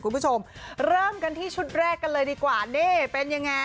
คุณผู้ชมเริ่มกันที่ชุดแรกกันเลยดีกว่านี่เป็นยังไง